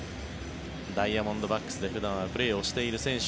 ダイヤモンドバックスで普段はプレーをしている選手。